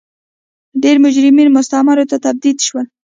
ډېری مجرمین مستعمرو ته تبعید شول.